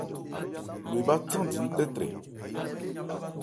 Lo ebhá thándi ńtɛ́trɛ.